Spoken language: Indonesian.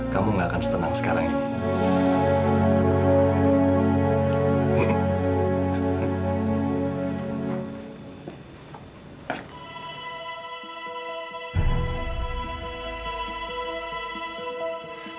kamu gak akan senang sekarang ini